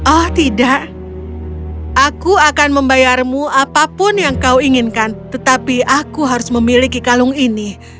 oh tidak aku akan membayarmu apapun yang kau inginkan tetapi aku harus memiliki kalung ini